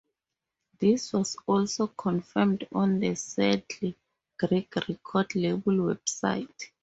This was also confirmed on the Saddle Creek record label website.